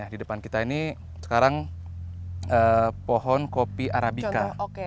di depan kita ini sekarang pohon kopi arabica